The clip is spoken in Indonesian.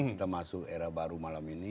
kita masuk era baru malam ini